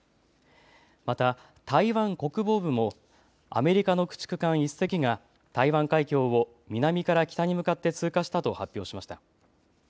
また台湾国防部もアメリカの駆逐艦１隻が台湾海峡を南から北に向かって通過したと発表しました。